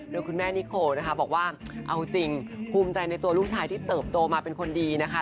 โดยคุณแม่นิโคนะคะบอกว่าเอาจริงภูมิใจในตัวลูกชายที่เติบโตมาเป็นคนดีนะคะ